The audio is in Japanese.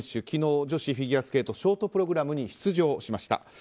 昨日女子フィギュアスケートショートプログラムに出場しました。